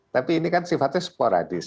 tapi ini sifatnya sporadis